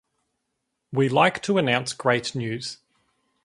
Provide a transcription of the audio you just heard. We like to announce great news.